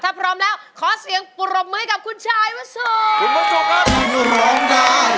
ถ้าพร้อมแล้วขอเสียงปุ่นรบมือให้กับคุณชายวัสโศค